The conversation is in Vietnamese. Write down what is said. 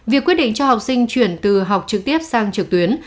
việc quyết định cho học sinh chuyển từ học trực tiếp sang trực tuyến